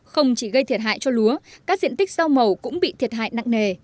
không chỉ gây thiệt hại cho lúa các diện tích rau màu cũng bị thiệt hại nặng nề